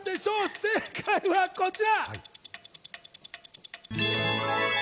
正解はこちら。